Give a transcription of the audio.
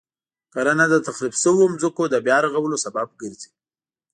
کرنه د تخریب شويو ځمکو د بیا رغولو سبب ګرځي.